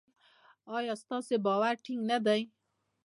ایا ستاسو باور ټینګ نه دی؟